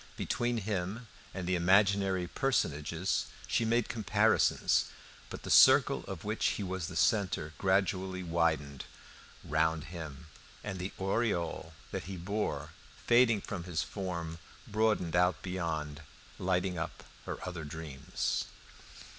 Between him and the imaginary personages she made comparisons. But the circle of which he was the centre gradually widened round him, and the aureole that he bore, fading from his form, broadened out beyond, lighting up her other dreams.